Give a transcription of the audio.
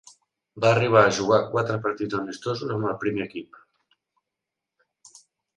Va arribar a jugar quatre partits amistosos amb el primer equip.